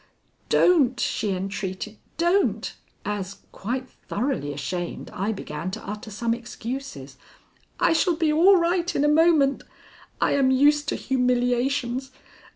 "Don't," she entreated, "don't," as, quite thoroughly ashamed, I began to utter some excuses. "I shall be all right in a moment. I am used to humiliations.